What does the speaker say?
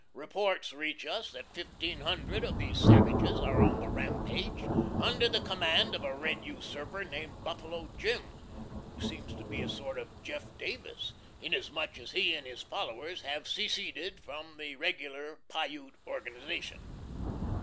Reports reach us that fifteen hundred of these savages are on the Rampage, under the command of a red usurper named Buffalo Jim, who seems to be a sort of Jeff Davis, inasmuch as he and his followers have seceded from the regular Piut organization.